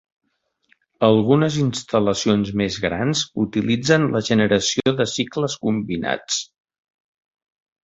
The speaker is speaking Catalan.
Algunes instal·lacions més grans utilitzen la generació de cicles combinats.